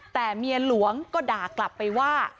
แต่เมียหลวงก็ด่ากลับไปว่า